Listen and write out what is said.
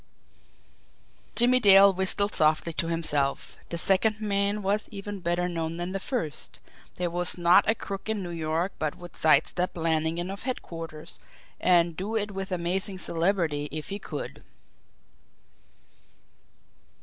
Jimmie Dale whistled softly to himself. The second man was even better known than the first; there was not a crook in New York but would side step Lannigan of headquarters, and do it with amazing celerity if he could!